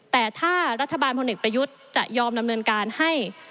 แต่ถ้ารัฐบาลพลเอกประยุทธ์จะยอมดำเนินการให้